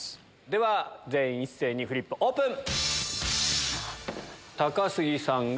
では全員一斉にフリップオープン！